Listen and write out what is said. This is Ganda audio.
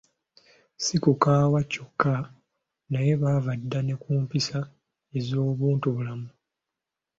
Si kukaawa kyokka naye baava dda ne ku mpisa ez’obuntubulamu.